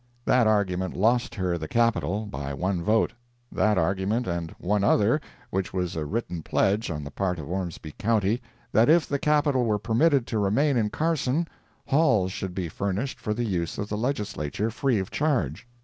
That argument lost her the Capital, by one vote—that argument, and one other, which was a written pledge, on the part of Ormsby county, that if the Capital were permitted to remain in Carson, halls should be furnished for the use of the Legislature, free of charge.